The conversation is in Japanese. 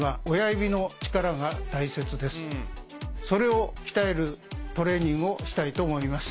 それを鍛えるトレーニングをしたいと思います。